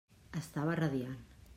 Estava radiant.